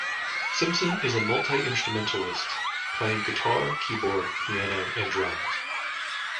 Simpson is a multi-instrumentalist, playing guitar, keyboard, piano and drums.